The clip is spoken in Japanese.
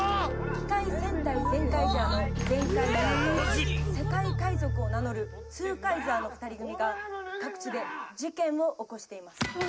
「機界戦隊ゼンカイジャーのゼンカイザーと世界海賊を名乗るツーカイザーの２人組が各地で事件を起こしています」